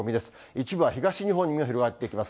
一部は東日本にも広がっていきます。